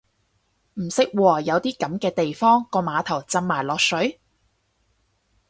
唔識喎，有啲噉嘅地方個碼頭浸埋落水？